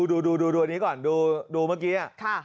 ดูนี้ก่อนดูเมื่อกี้อ่ะ